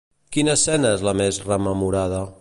Quina escena és la més rememorada?